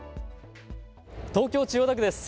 東京千代田区です。